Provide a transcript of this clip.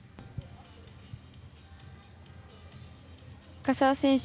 深沢選手